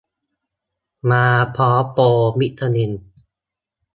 มาพร้อมโปรวิตามิน